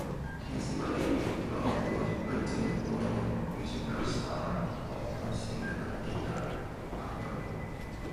His mother-in-law was Berlin-born musical star and opera singer Lina Abarbanell.